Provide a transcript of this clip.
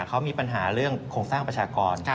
เขามีปัญหาเรื่องโครงสร้างประชากร